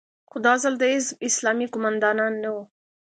خو دا ځل د حزب اسلامي قومندانان نه وو.